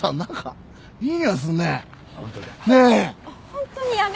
ホントにやめ。